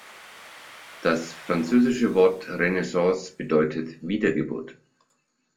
Das französische Wort Renaissance bedeutet Wiedergeburt.